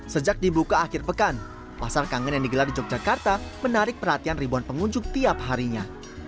sejak dibuka akhir pekan pasar kangen yang digelar di yogyakarta menarik perhatian ribuan pengunjung tiap harinya